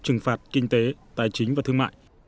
trừng phạt kinh tế tài chính và thương mại